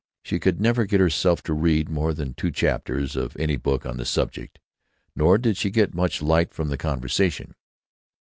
She could never get herself to read more than two chapters of any book on the subject, nor did she get much light from conversation.